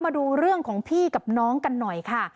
มาดูเรื่องของพี่กับน้องกันหน่อยค่ะ